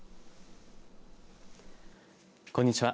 こんにちは